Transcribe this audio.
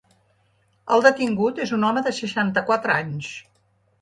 El detingut és un home de seixanta-quatre anys.